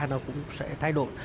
nó cũng sẽ thay đổi